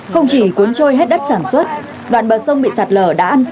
không chỉ cuốn trôi hết đất sản xuất đoạn bờ sông bị sạt lở đã ăn dại